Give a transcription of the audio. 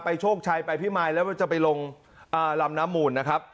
ไปโชกชายไปพิมมายแล้วจะไปลงลำน้ำมูล